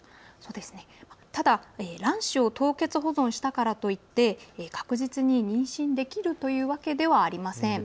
ただ卵子を凍結保存したからといって確実に妊娠できるというわけではありません。